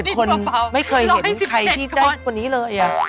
คนไม่เคยเห็นใครที่ได้คนนี้เลย